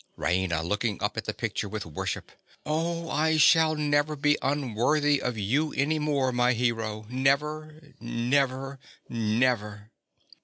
_) RAINA. (looking up at the picture with worship.) Oh, I shall never be unworthy of you any more, my hero—never, never, never.